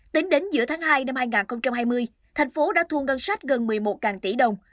tính đến giữa tháng hai năm hai nghìn hai mươi thành phố đã thu ngân sách gần một mươi một tỷ đồng